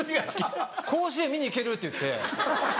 「甲子園見に行ける！」って言って。